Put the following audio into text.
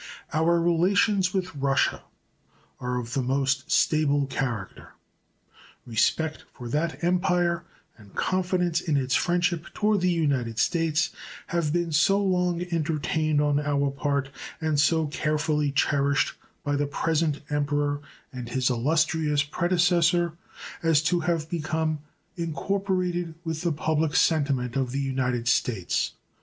Our relations with Russia are of the most stable character. Respect for that Empire and confidence in its friendship toward the United States have been so long entertained on our part and so carefully cherished by the present Emperor and his illustrious predecessor as to have become incorporated with the public sentiment of the United States.